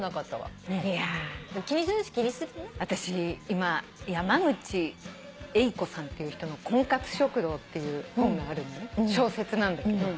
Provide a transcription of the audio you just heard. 今山口恵以子さんっていう人の『婚活食堂』っていう本がある小説なんだけど。